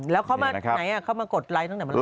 แล้วเขามาไหนเขามากดไลค์ตั้งแต่เมื่อไ